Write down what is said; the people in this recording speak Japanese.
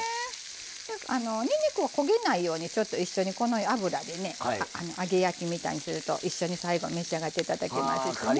にんにくを焦げないようにちょっと一緒にこの油でね揚げ焼きみたいにすると一緒に最後召し上がって頂けますしね。